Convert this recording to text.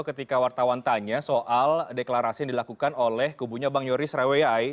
ketika wartawan tanya soal deklarasi yang dilakukan oleh kubunya bang yoris raweyai